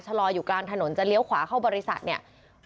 ลอยอยู่กลางถนนจะเลี้ยวขวาเข้าบริษัทเนี่ย